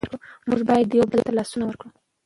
موږ باید یو بل ته لاسونه ورکړو.